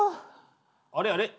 あれあれ？